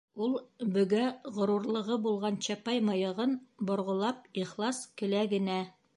Ул, бөгә ғорурлығы булған чапай мыйығын борғолап, ихлас келә генә.